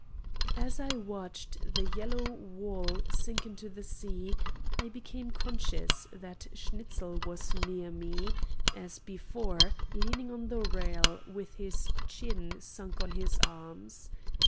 As I watched the yellow wall sink into the sea, I became conscious that Schnitzel was near me, as before, leaning on the rail, with his chin sunk on his arms.